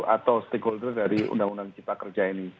atau stakeholder dari undang undang cipta kerja ini